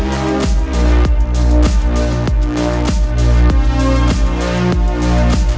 jangan tinggalin aku sendiri